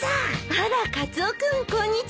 あらカツオ君こんにちは。